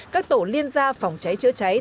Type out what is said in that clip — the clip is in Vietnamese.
các tổ liên gia phòng cháy chữa cháy